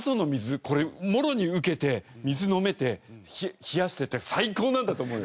これもろに受けて水飲めて冷やしてって最高なんだと思うよ。